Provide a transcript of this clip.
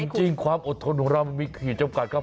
จริงความอดทนของเรามันมีขีดจำกัดครับ